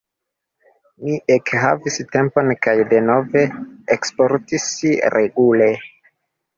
Mi ekhavis tempon kaj denove eksportis regule.